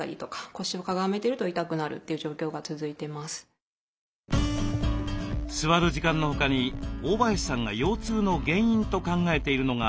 座る時間の他に大林さんが腰痛の原因と考えているのが座る時の癖です。